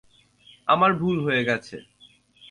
আমার ভুল হয়ে গেছে।